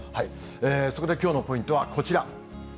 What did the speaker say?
そこできょうのポイントはこちら。